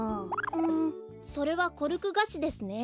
んそれはコルクガシですね。